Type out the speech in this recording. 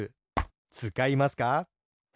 つかいます。